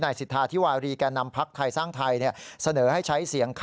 นายสิทธาที่วารีการนำพักไทยสร้างไทยเนี่ย